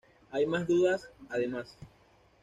Hay más dudas, además.